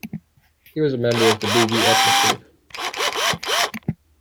He was a member of the Bubi ethnic group.